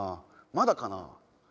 まだかな？